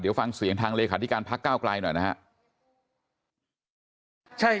เดี๋ยวฟังเสียงทางเลขาธิการพักก้าวไกลหน่อยนะครับ